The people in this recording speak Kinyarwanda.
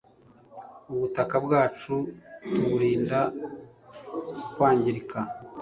ubutaka bwacu tuburinda kwangirika